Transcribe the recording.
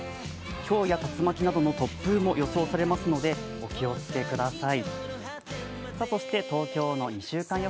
ひょうや竜巻などの突風も予想されますので、お気をつけください。